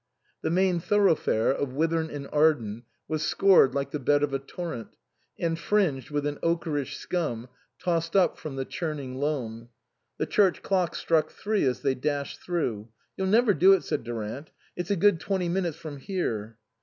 The main thoroughfare of Whithorn in Arden was scored like the bed of a torrent, and fringed with an ochreish scum tossed up from the churn ing loam. The church clock struck three as they dashed through. " You'll never do it," said Durant ;" it's a good twenty minutes from here."